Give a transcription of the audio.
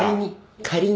仮に。